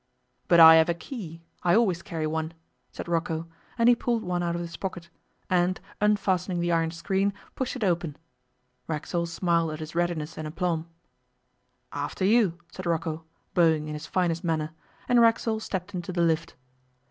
'But I have a key. I always carry one,' said Rocco, and he pulled one out of his pocket, and, unfastening the iron screen, pushed it open. Racksole smiled at his readiness and aplomb. 'After you,' said Rocco, bowing in his finest manner, and Racksole stepped into the lift.